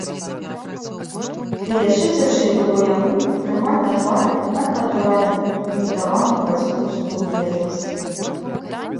Ды яшчэ цяжэй было яму ўтрымаць на твары так натуральна імітаваную бацькоўскую ветласць.